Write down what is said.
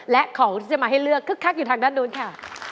และของที่จะมาให้เลือกคึกคักอยู่ทางด้านนู้นค่ะ